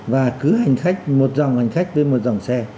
và cứ hành khách một dòng hành khách với một dòng xe